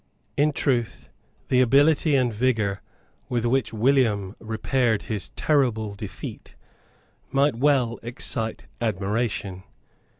In truth the ability and vigour with which William repaired his terrible defeat might well excite admiration.